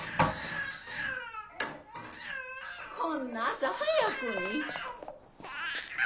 ・こんな朝早くに！